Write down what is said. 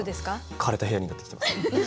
枯れた部屋になってきてます。